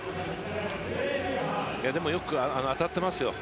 でも、よく当たっていますよ。